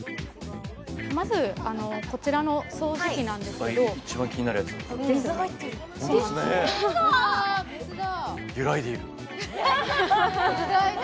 まずこちらの掃除機なんですけど一番気になるやつ水だ